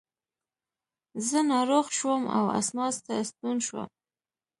زه ناروغ شوم او اسماس ته ستون شوم.